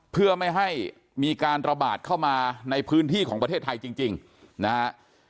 เพื่อไม่ให้มีการระบาดเข้ามาในพื้นที่ของประเทศไทยจริงนะฮะ